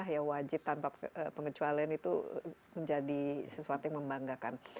ya wajib tanpa pengecualian itu menjadi sesuatu yang membanggakan